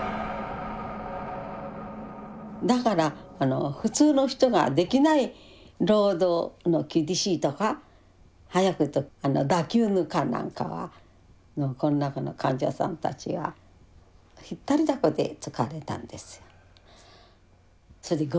だから普通の人ができない労働の厳しいとか早く言うとバキュームカーなんかはこの中の患者さんたちは引っ張りだこで使われたんですよ。